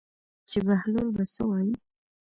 چې بهلول به څه وایي.